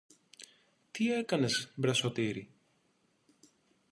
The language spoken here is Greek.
Τι έκανες, μπρε Σωτήρη;